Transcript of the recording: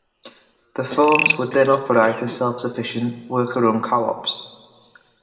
The farms would then operate as self-sufficient, worker-run co-ops.